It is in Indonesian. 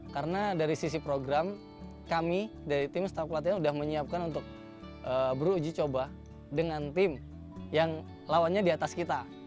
karena dari sisi program kami dari tim staff pelatihan sudah menyiapkan untuk beruji coba dengan tim yang lawannya di atas kita